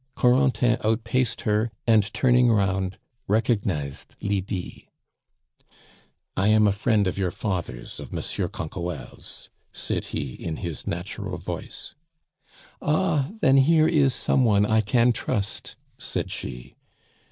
Corentin out paced her, and turning round, recognized Lydie. "I am a friend of your father's, of Monsieur Canquoelle's," said he in his natural voice. "Ah! then here is some one I can trust!" said she.